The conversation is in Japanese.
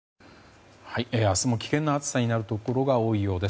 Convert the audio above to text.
明日も危険な暑さになるところが多いようです。